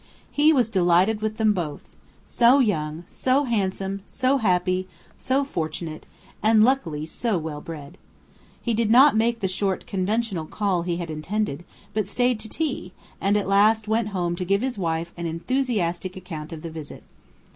He was delighted with them both so young, so handsome, so happy, so fortunate, and luckily so well bred. He did not make the short conventional call he had intended, but stayed to tea, and at last went home to give his wife an enthusiastic account of the visit.